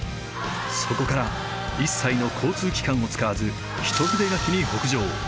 そこから一切の交通機関を使わず一筆書きに北上。